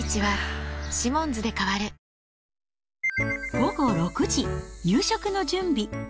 午後６時、夕食の準備。